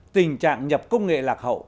tình trạng nhập công nghệ lạc hậu